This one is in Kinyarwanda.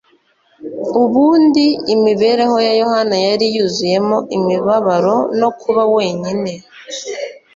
ubundi imibereho ya Yohana yari yuzuyemo imibabaro no kuba wenyine.